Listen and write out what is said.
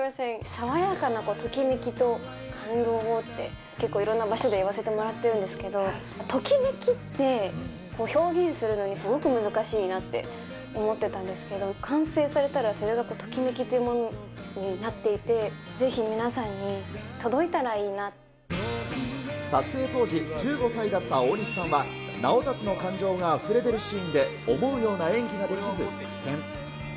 爽やかなときめきと感動をって、結構いろんな場所で言わせてもらってるんですけど、ときめきって、表現するのにすごく難しいなって思ってたんですけど、完成されたら、それがときめきというものになっていて、ぜひ皆さんに届いたらい撮影当時、１５歳だった大西さんは、直達の感情があふれ出るシーンで思うような演技ができず苦戦。